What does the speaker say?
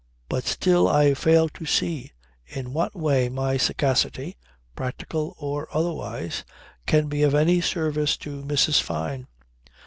But still I fail to see in what way my sagacity, practical or otherwise, can be of any service to Mrs. Fyne.